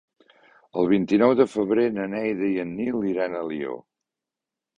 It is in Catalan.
El vint-i-nou de febrer na Neida i en Nil iran a Alió.